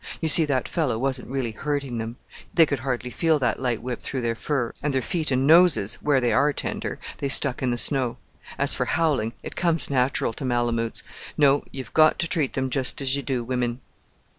You see, that fellow wasn't really hurting them; they could hardly feel that light whip through their fur, and their feet and noses, where they are tender, they stuck in the snow. As for howling it comes natural to malamoots. No you've got to treat them just as you do women."